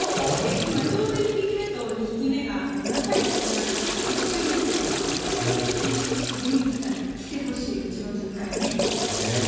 今、ちょうど１匹目と２匹目が仲よくなる途中ということで本当にビーンズちゃんに来てほしい、うちの実家に。